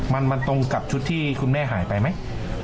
มันตรงกับชุดที่คุณแม่หายไปไหม